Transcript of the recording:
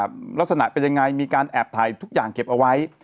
ลักษณะเป็นยังไงมีการแอบถ่ายทุกอย่างเก็บเอาไว้